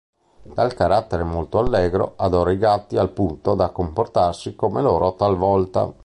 Dal carattere molto allegro, adora i gatti al punto da comportarsi come loro talvolta.